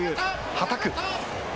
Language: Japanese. はたく。